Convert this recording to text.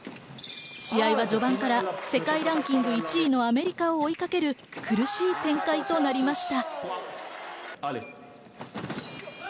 試合は序盤から世界ランキング１位のアメリカを追いかける、苦しい展開となりました。